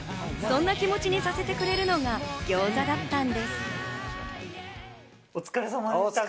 そんな気持ちにさせてくれるのがギョーザだったんです。